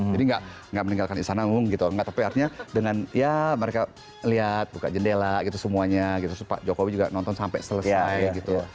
jadi gak meninggalkan istana ngung gitu gak tapi artinya dengan ya mereka lihat buka jendela gitu semuanya gitu terus pak jokowi juga nonton sampai selesai gitu